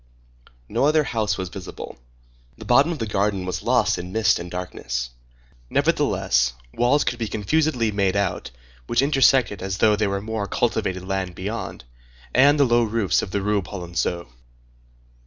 No other house was visible. The bottom of the garden was lost in mist and darkness. Nevertheless, walls could be confusedly made out, which intersected as though there were more cultivated land beyond, and the low roofs of the Rue Polonceau.